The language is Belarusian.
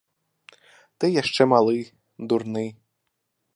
Ты яшчэ малы, дурны.